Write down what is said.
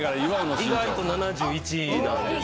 意外と７１なんですよ。